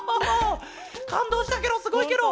かんどうしたケロすごいケロ！